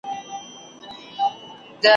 چي ډېر کسان یې .